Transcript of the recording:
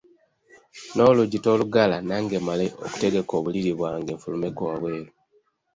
N’oluggi toluggala nange mmale okutegeka obuliri bwange nfulumeko wabweru.